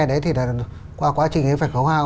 đấy thì qua quá trình ấy phải khấu hao